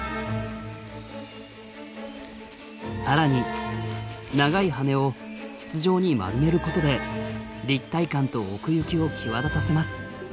更に長い羽を筒状に丸めることで立体感と奥行きを際立たせます。